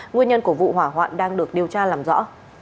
nguyên nhân của vụ hỏa hoạn đang được điều tra làm rõ